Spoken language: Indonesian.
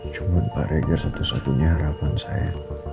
cuma pak reger satu satunya harapan saya